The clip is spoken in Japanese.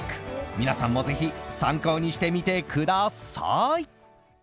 皆さんもぜひ参考にしてみてください。